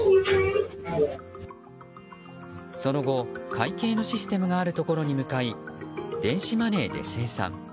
その後、会計のシステムがあるところに向かい電子マネーで精算。